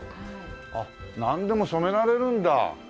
あっなんでも染められるんだ。